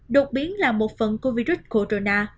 đột biến là một phần của virus corona